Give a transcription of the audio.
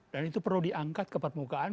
dan itu perlu diangkat ke permukaan